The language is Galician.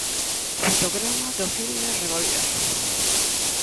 Fotograma do filme Reboiras.